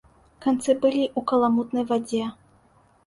Канцы былі ў каламутнай вадзе.